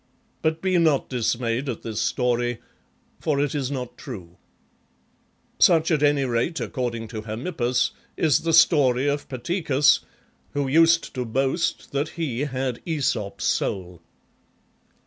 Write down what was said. But be not dismayed at this story, for it is not true." Such, at any rate, accord ing to Hermippus, is the story of Pataecus, who used to boast that he had Aesop's soul.